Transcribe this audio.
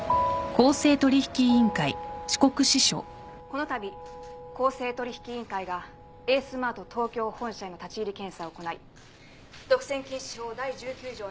このたび公正取引委員会がエースマート東京本社への立入検査を行い独占禁止法第１９条に違反する。